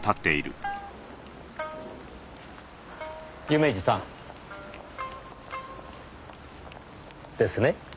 夢路さん。ですね？